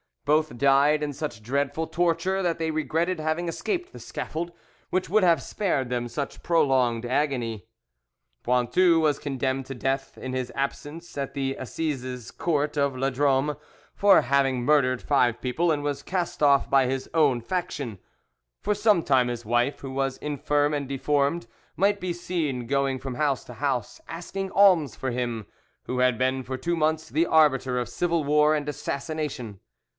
Both died in such dreadful torture that they regretted having escaped the scaffold, which would have spared them such prolonged agony. Pointu was condemned to death, in his absence, at the Assizes Court of La Drome, for having murdered five people, and was cast off by his own faction. For some time his wife, who was infirm and deformed, might be seen going from house to house asking alms for him, who had been for two months the arbiter of civil war and assassination.